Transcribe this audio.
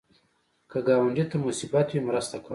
که ګاونډي ته مصیبت وي، مرسته کوه